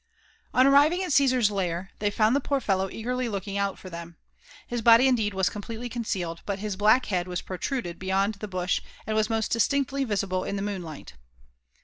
On arriving at Caesar's lair, they found the poor fellow eagerly look ing out for them. His body indeed was completely concealed ; but his black head was protruded beyond the bush, and was most distinctly visiblei n the moonlight.